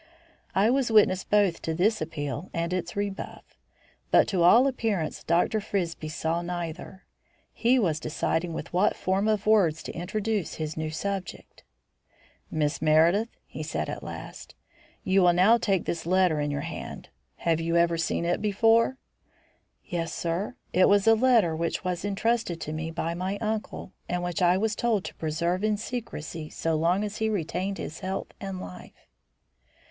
I was witness both to this appeal and its rebuff, but to all appearance Dr. Frisbie saw neither. He was deciding with what form of words to introduce his new subject. "Miss Meredith," he said at last, "you will now take this letter in your own hand. Have you ever seen it before?" "Yes, sir, it was a letter which was entrusted to me by my uncle, and which I was told to preserve in secrecy so long as he retained his health and life."